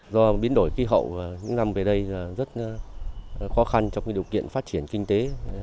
do biến đổi khí hậu những năm về đây rất khó khăn trong điều kiện phát triển kinh tế